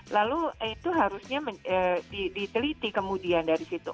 lalu itu harusnya diteliti kemudian dari situ